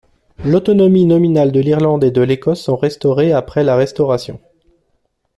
L'autonomie nominale de l'Irlande et de l'Écosse sont restaurées après la Restauration.